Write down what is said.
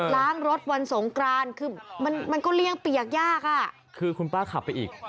ล้างรถวันสงกรานคือมันก็เลี่ยงเปียกยาก